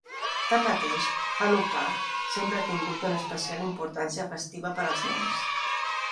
Tanmateix, Hanukkà sempre ha tingut una especial importància festiva per als nens.